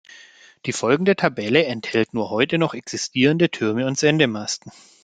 Die folgende Tabelle enthält nur heute noch existierende Türme und Sendemasten.